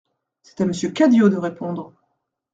C'est à Monsieur Cadio de répondre.